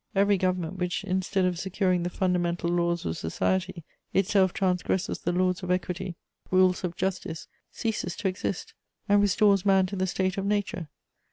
Every government which, instead of securing the fundamental laws of society, itself transgresses the laws of equity, the rules of justice, ceases to exist, and restores man to the state of nature.